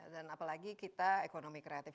dan apalagi kita ekonomi kreatif